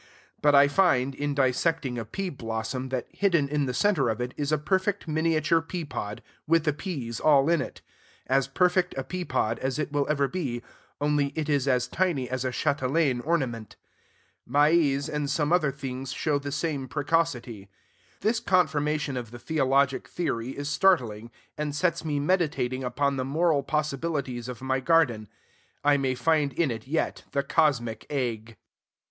But I find, in dissecting a pea blossom, that hidden in the center of it is a perfect miniature pea pod, with the peas all in it, as perfect a pea pod as it will ever be, only it is as tiny as a chatelaine ornament. Maize and some other things show the same precocity. This confirmation of the theologic theory is startling, and sets me meditating upon the moral possibilities of my garden. I may find in it yet the cosmic egg.